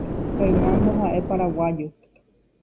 Fernando ha’e Paraguayo.